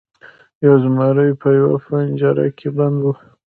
یو زمری په یوه پنجره کې بند و.